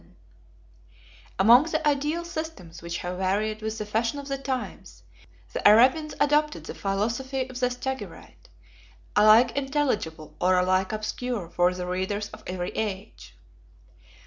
57 Among the ideal systems which have varied with the fashion of the times, the Arabians adopted the philosophy of the Stagirite, alike intelligible or alike obscure for the readers of every age.